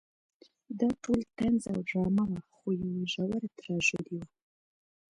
دا ټول طنز او ډرامه وه خو یوه ژوره تراژیدي وه.